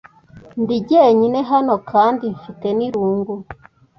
Ndi jyenyine hano kandi mfite n’irungu .